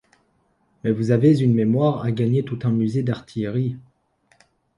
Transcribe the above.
Mais vous avez une mémoire à gagner tout un musée d’artillerie.